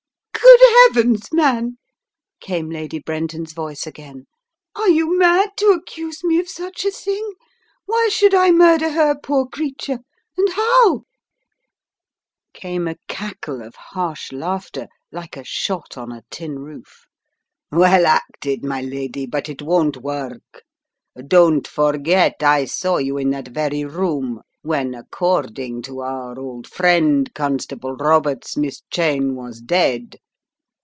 "Good Heavens, man!" came Lady Brenton's voice again, "axe you mad to accuse me of such a thing? Why should I murder her, poor creature? And how?" A Twisted Clue 233 Came a cackle of harsh laughter like a shot on a tin roof. "Well acted, my lady, but it won't work. Don't forget, I saw you in that very room, when, according to our old friend, Constable Roberts, Miss Cheyne was dead.